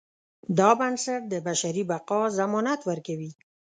دا بنسټ د بشري بقا ضمانت ورکوي.